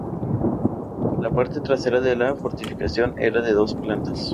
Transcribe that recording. La parte trasera de la fortificación era de dos plantas.